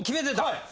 はい。